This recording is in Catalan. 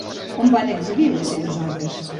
On van exhibir les seves obres?